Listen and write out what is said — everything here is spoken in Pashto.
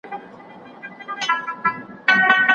شاګرد د موضوع نوې سرچیني لټوي.